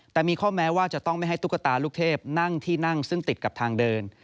แต่มีข้อแม้ว่าจะต้องไม่ให้ตุ๊กตาลูกเทพนั่งที่นั่งซึ่งติดกับทางเดิน